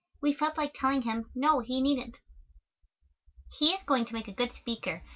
we felt like telling him, no, he needn't. He is going to make a good speaker. Mr.